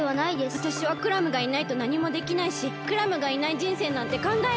わたしはクラムがいないとなにもできないしクラムがいないじんせいなんてかんがえられない。